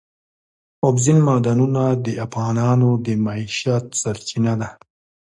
اوبزین معدنونه د افغانانو د معیشت سرچینه ده.